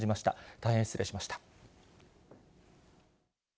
大変失礼しました。